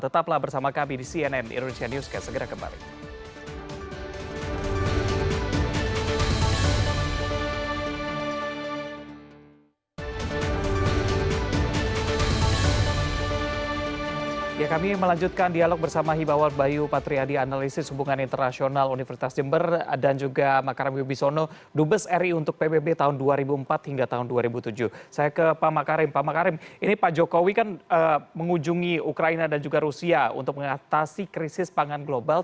tetaplah bersama kami di cnn indonesia news sekian segera kembali